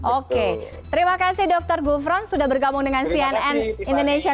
oke terima kasih dokter gufron sudah bergabung dengan cnn indonesia